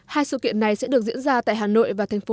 hội điện ảnh việt nam cánh diều hai nghìn một mươi bảy